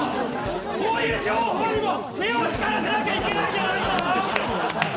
こういう情報にも目を光らせなきゃいけないんじゃねえのか。